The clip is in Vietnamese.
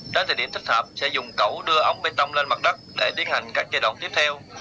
đến thời điểm thích hợp sẽ dùng cẩu đưa ống bê tông lên mặt đất để tiến hành các giai đoạn tiếp theo